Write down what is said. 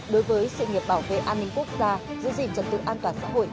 đối với sự nghiệp bảo vệ an ninh quốc gia giữ gìn trật tự an toàn xã hội